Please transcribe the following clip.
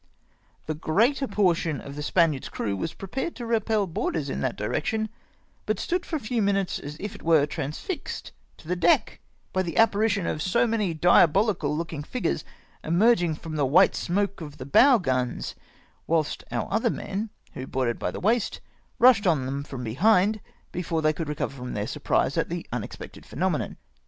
The greater portion of the Spaniard's crcAv was prepared to repel boarders m that direction, but stood for a few moments as it were transfixed to the deck by the appa rition of so many diabohcal looking figures emerging from the white smoke of the bow guns ; wdiilst our other men, who boarded by the waist, rushed on them from behind, before they could recover from then surprise at the unexpected phenomenon.